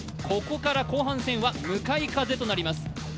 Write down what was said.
ここから後半戦は向かい風となります。